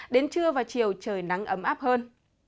đến trưa và chiều trời nắng ấm áp hơn